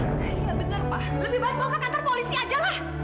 iya benar pak lebih baik bawa ke kantor polisi ajalah